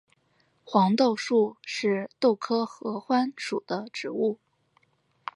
黄豆树是豆科合欢属的植物。